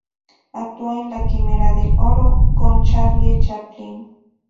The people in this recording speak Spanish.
Actuó en "La quimera del oro", con Charlie Chaplin.